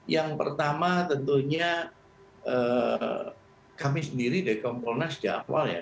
yang pertama tentunya kami sendiri dari kompolnas sejak awal ya